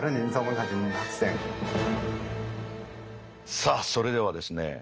さあそれではですね